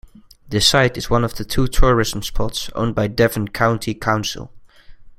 The site is one of two tourism spots owned by Devon County Council.